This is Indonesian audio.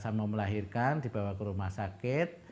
saya mau melahirkan dibawa ke rumah sakit